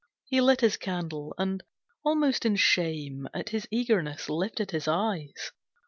He lit his candle, and almost in shame At his eagerness, lifted his eyes.